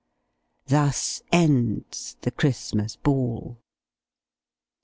Thus ends the Christmas Ball!